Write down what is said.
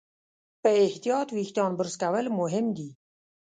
په احتیاط وېښتيان برس کول مهم دي.